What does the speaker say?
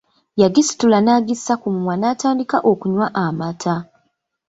Yagisitula n'agissa ku mumwa natandika okunywa amaata .